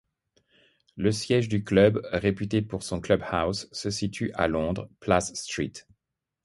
Le siège du club, réputé pour son club-house, se situe à Londres, place St.